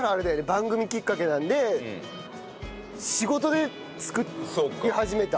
番組きっかけなんで仕事で作り始めた。